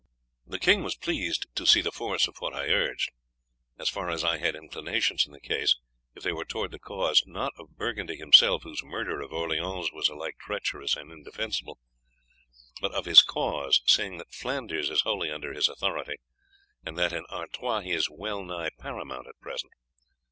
"The king was pleased to see the force of what I urged. As far as I had inclinations in the case, they were towards the cause, not of Burgundy himself, whose murder of Orleans was alike treacherous and indefensible, but of his cause, seeing that Flanders is wholly under his authority, and that in Artois he is well nigh paramount at present.